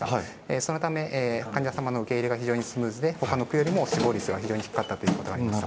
そのため、患者様の受け入れが非常にスムーズで他の区よりも死亡率が非常に低かったということがありました。